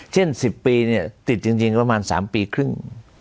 เช่น๑๐ปีเนี่ยติดจริงประมาณ๓ปีครึ่ง